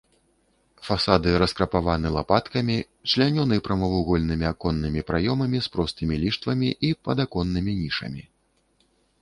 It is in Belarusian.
Фасады раскрапаваны лапаткамі, члянёны прамавугольнымі аконнымі праёмамі з простымі ліштвамі і падаконнымі нішамі.